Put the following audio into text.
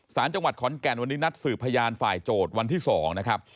สารจังหวัดขอนแก่นวันนี้นัดสืบพยานฝ่ายโจทย์วันที่๒นะครับ